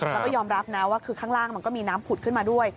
แล้วก็ยอมรับนะว่าคือข้างล่างมันก็มีน้ำผุดขึ้นมาด้วย